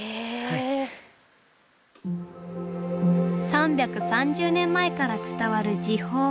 ３３０年前から伝わる寺宝。